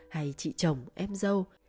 hay chị chồng em dâu